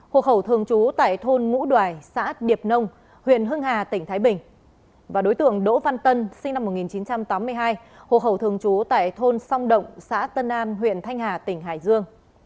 hộ khẩu thường trú tại thôn ngũ đoài xã điệp nông huyện hưng hà tỉnh thái bình và đối tượng đỗ văn tân sinh năm một nghìn chín trăm tám mươi hai hộ khẩu thường trú tại thôn song động xã tân an huyện thanh hà tỉnh hải dương